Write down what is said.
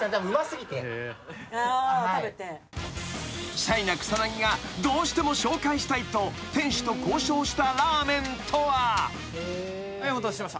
［シャイな草薙がどうしても紹介したいと店主と交渉したラーメンとは］お待たせしました。